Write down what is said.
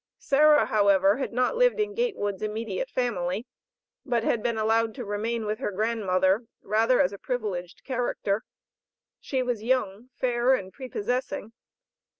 Sarah, however, had not lived in Gatewood's immediate family, but had been allowed to remain with her grandmother, rather as a privileged character. She was young, fair, and prepossessing.